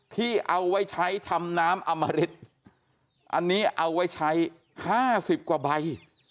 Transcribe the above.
ที่เอาไว้ใช้ทำน้ำอมริตอันนี้เอาไว้ใช้๕๐กว่าใบ